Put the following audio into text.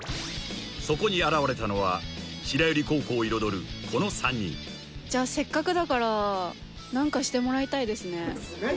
［そこに現れたのは白百合高校を彩るこの３人］じゃあせっかくだから何かしてもらいたいですね。何？